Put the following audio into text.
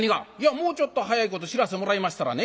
「もうちょっと早いこと知らせてもらいましたらね